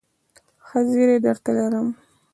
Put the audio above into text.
ښه زېری درته لرم ..